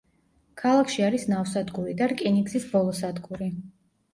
ქალაქში არის ნავსადგური და რკინიგზის ბოლო სადგური.